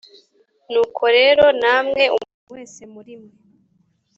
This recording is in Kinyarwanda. nuko rero namwe umuntu wese muri mwe